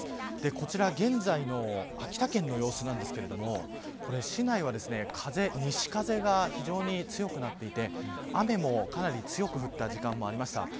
こちら、現在の秋田県の様子なんですけれども市内は風、西風が非常に強くなっていて雨もかなり強く降った時間もありました。